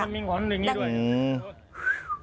มันมีหวานอย่างงี้ด้วย